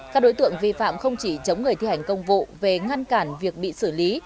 các đối tượng vi phạm không chỉ chống người thi hành công vụ về ngăn cản việc bị xử lý